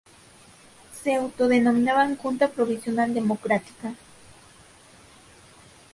Se autodenominaban Junta Provisional Democrática.